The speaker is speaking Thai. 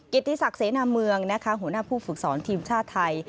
ติศักดิเสนาเมืองนะคะหัวหน้าผู้ฝึกสอนทีมชาติไทย